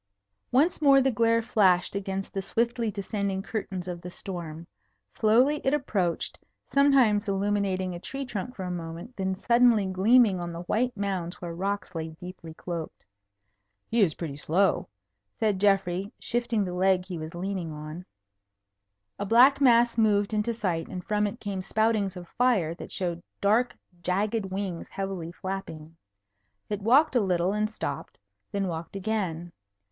Once more the glare flashed against the swiftly descending curtains of the storm. Slowly it approached, sometimes illuminating a tree trunk for a moment, then suddenly gleaming on the white mounds where rocks lay deeply cloaked. "He is pretty slow," said Geoffrey, shifting the leg he was leaning on. [Illustration: The Dragon thinketh to slake his thirst] A black mass moved into sight, and from it came spoutings of fire that showed dark, jagged wings heavily flapping. It walked a little and stopped; then walked again.